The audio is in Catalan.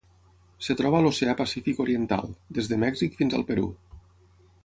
Es troba a l'Oceà Pacífic oriental: des de Mèxic fins al Perú.